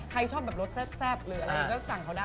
ใครชอบรสแซ่บเพราะสั่งเข้าได้